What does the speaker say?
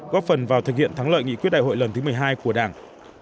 góp phần vào thực hiện thắng lợi nghị quyết đại hội lần thứ một mươi hai của đảng